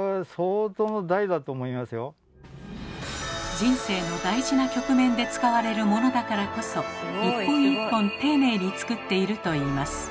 人生の大事な局面で使われるものだからこそ一本一本丁寧に作っているといいます。